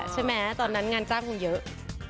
ตอนนั้นงานจ้างคงเยอะ